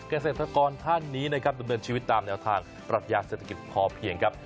เกษตรกรท่านนี้นะครับดำเนินชีวิตตามแนวทางปรัชญาเศรษฐกิจพอเพียงครับ